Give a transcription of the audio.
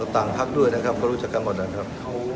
ต่างภาคด้วยนะครับเขารู้จักกันก่อนนะครับ